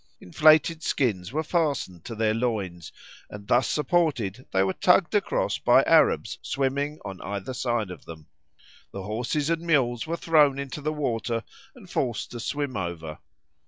Inflated skins were fastened to their loins, and thus supported, they were tugged across by Arabs swimming on either side of them. The horses and mules were thrown into the water and forced to swim over.